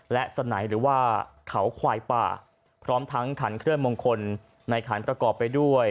และสนัยหรือว่าเขาควายป่าพร้อมทั้งขันเคลื่อนมงคลในขันประกอบไปด้วย